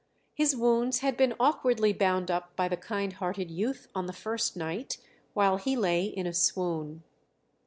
His wounds had been awkwardly bound up by the kind hearted youth on the first night, while he lay in a swoon.